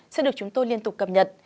sẽ được chúng tôi liên tục cập nhật